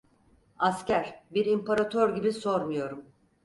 Asker, bir İmparator gibi sormuyorum.